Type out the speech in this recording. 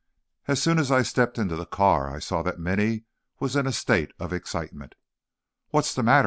As soon as I stepped into the car I saw that Minny was in a state of excitement. "What's the matter?"